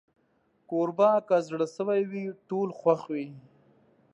کوربه که زړه سوي وي، ټول خوښ وي.